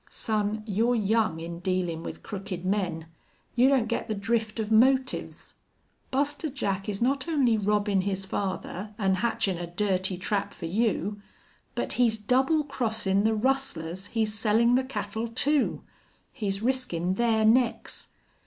"Son, you're young in dealin' with crooked men. You don't get the drift of motives. Buster Jack is not only robbin' his father an' hatchin' a dirty trap for you, but he's double crossin' the rustlers he's sellin' the cattle to. He's riskin' their necks.